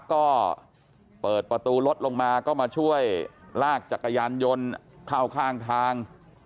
ก็เปิดประตูรถลงมาก็มาช่วยลากจักรยานยนต์เข้าข้างทาง